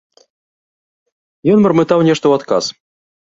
Ён мармытаў нешта ў адказ.